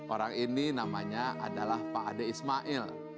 orang ini namanya adalah pak ade ismail